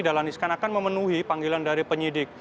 dahlan iskan akan memenuhi panggilan dari penyidik